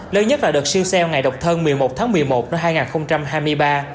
lớn nhất là đợt siêu xeo ngày độc thân một mươi một tháng một mươi một năm hai nghìn hai mươi ba